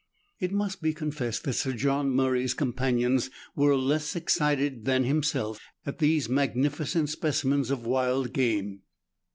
It must be con fessed that Sir John Murray's companions were less excited than himself at these magnificent specimens of wild game.